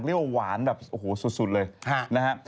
เรียกว่าหวานแบบโอ้โหสุดเลยนะฮะ